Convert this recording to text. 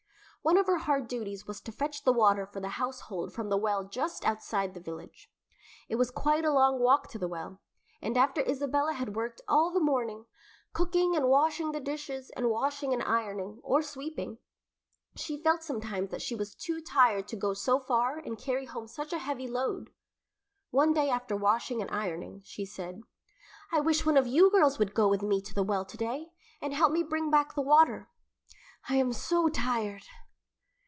One of her hard duties was to fetch the water for the household from the well just outside the village. It was quite a long walk to the well, and after Isabella had worked all the morning, cooking, and washing the dishes, and washing and ironing, or sweeping, she felt sometimes that she was too tired to go so far and carry home such a heavy load. One day after washing and ironing, she said, "I wish one of you girls would go with me to the well to day, and help me bring back the water. I am so tired."